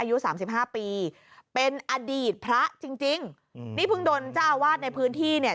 อายุ๓๕ปีเป็นอดีตพระจริงนี่เพิ่งโดนจ้าวาดในพื้นที่เนี่ย